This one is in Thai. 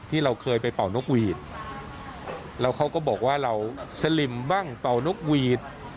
ที่เราเคยไปเป่านกหวีดแล้วเขาก็บอกว่าเราสลิมบ้างเป่านกหวีด